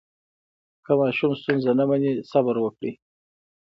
که ماشوم ستونزه نه مني، صبر وکړئ.